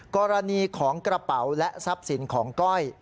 กรณีของกระเป๋าและทรัพย์สินของก้อย